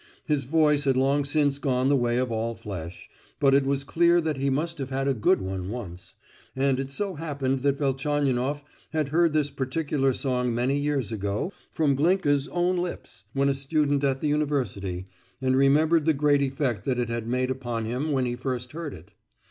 His voice had long since gone the way of all flesh, but it was clear that he must have had a good one once, and it so happened that Velchaninoff had heard this particular song many years ago, from Glinkes' own lips, when a student at the university, and remembered the great effect that it had made upon him when he first heard it.